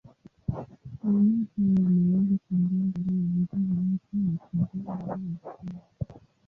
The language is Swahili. Minyoo hao wanaweza kuingia ndani ya mwili wa mtu na kuzaa ndani ya utumbo.